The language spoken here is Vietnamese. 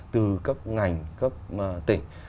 từ cấp ngành cấp tỉnh